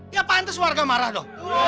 ya pantas warga marah dong